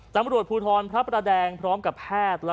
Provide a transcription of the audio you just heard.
ตำรวจภูทรพระประแดงพร้อมกับแพทย์